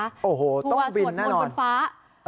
ทัวร์สวดมนตร์บนฟ้า